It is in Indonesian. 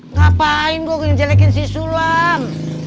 ngapain gue ngejelekin si sulam